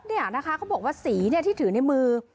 เขาบอกว่าสีที่ถือในมือ